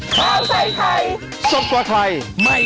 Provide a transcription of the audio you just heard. ข้าวใส่ไทยส้มกว่าไทย